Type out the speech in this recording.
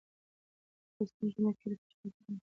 لوستې نجونې د کلي په چارو کې برخه اخلي.